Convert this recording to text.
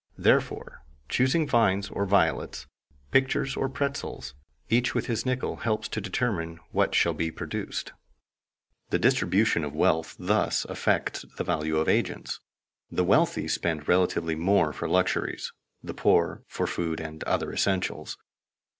Therefore, choosing vines or violets, pictures or pretzels, each with his nickel helps to determine what shall be produced. [Sidenote: Inventions influencing value] The distribution of wealth thus affects the value of agents. The wealthy spend relatively more for luxuries, the poor for food and other essentials.